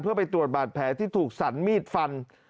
เพื่อไปตรวจบาดแผลที่ถูกสันมีดฟัน